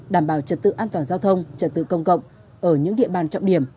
đảm bảo trật tự an toàn giao thông trật tự công cộng ở những địa bàn trọng điểm